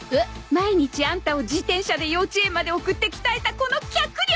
毎日アンタを自転車で幼稚園まで送って鍛えたこの脚力！